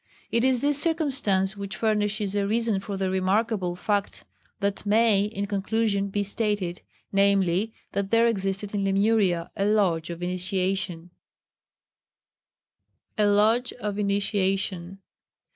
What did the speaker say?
It is this circumstance which furnishes a reason for the remarkable fact that may, in conclusion, be stated namely, that there existed in Lemuria a Lodge of Initiation. [Sidenote: A Lodge of Initiation.